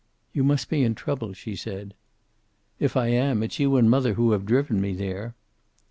"You must be in trouble," she said. "If I am, it's you and mother who have driven me there."